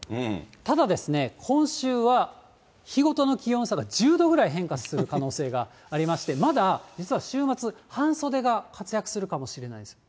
ただ、今週は、日ごとの気温差が１０度ぐらい変化する可能性がありまして、まだ実は週末、半袖が活躍するかもしれないんですよ。